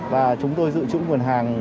và chúng tôi dự trữ nguồn hàng